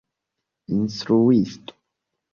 instruisto